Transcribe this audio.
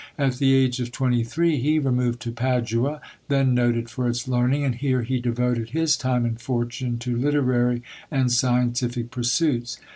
At the age of twenty three he removed to Padua, then noted for its learning, and here he devoted his time and fortune to literary and scientific pursuits.